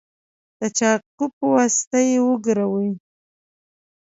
د چاقو په واسطه یې وګروئ.